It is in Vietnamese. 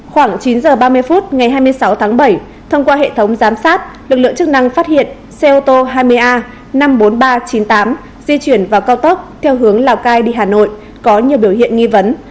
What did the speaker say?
khoảng chín h ba mươi phút ngày hai mươi sáu tháng bảy thông qua hệ thống giám sát lực lượng chức năng phát hiện xe ô tô hai mươi a năm mươi bốn nghìn ba trăm chín mươi tám di chuyển vào cao tốc theo hướng lào cai đi hà nội có nhiều biểu hiện nghi vấn